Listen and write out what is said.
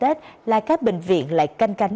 tết là các bệnh viện lại canh cánh